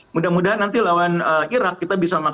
mudah mudahan nanti lawan irak